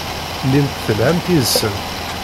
Ilimt telhamt yid-sent.